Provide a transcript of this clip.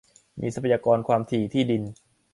มีทรัพยากร ความถี่ ที่ดิน